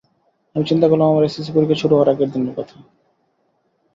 আমি চিন্তা করলাম আমার এসএসসি পরীক্ষা শুরু হওয়ার আগের দিনের কথা।